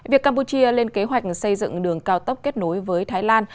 việc campuchia lên kế hoạch xây dựng đường cao tốc kết nối với thái lan